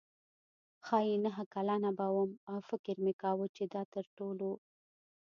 ښايي نهه کلنه به وم او فکر مې کاوه چې دا تر ټولو.